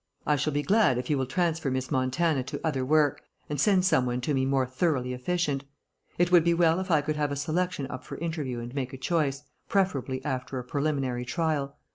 I shall be glad if you will transfer Miss Montana to other work, and send some one to me more thoroughly efficient. It would be well if I could have a selection up for interview and make a choice, preferably after a preliminary trial.